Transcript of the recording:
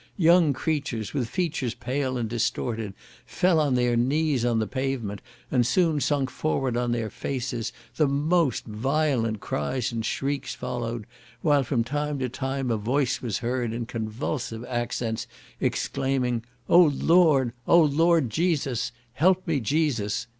Young creatures, with features pale and distorted, fell on their knees on the pavement, and soon sunk forward on their faces; the most violent cries and shrieks followed, while from time to time a voice was heard in convulsive accents, exclaiming, "Oh Lord!" "Oh Lord Jesus!" "Help me, Jesus!"